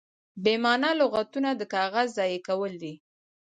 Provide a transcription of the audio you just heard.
بې مانا لغتونه د کاغذ ضایع کول دي.